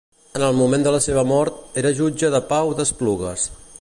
En el moment de la seva mort, era jutge de pau d'Esplugues.